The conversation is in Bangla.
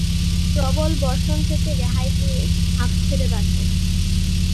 প্রবল বর্ষণ থেকে রেহাই পেয়ে হাফ ছেড়ে বাঁচে।